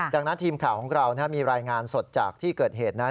ดังนั้นทีมข่าวของเรามีรายงานสดจากที่เกิดเหตุนั้น